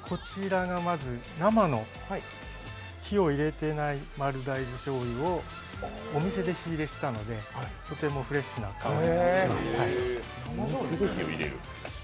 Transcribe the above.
こちらがまず生の火を入れていない丸大豆しょうゆをお店で火入れしたので、とてもフレッシュな香りがします。